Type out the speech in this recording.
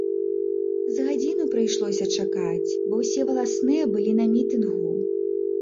З гадзіну прыйшлося чакаць, бо ўсе валасныя былі на мітынгу.